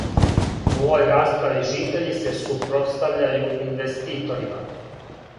У овој расправи житељи се супротстављају инвеститорима.